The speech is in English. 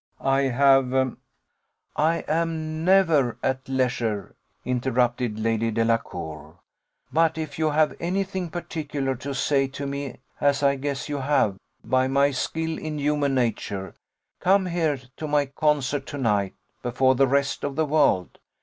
I have " "I am never at leisure," interrupted Lady Delacour; "but if you have any thing particular to say to me as I guess you have, by my skill in human nature come here to my concert to night, before the rest of the world.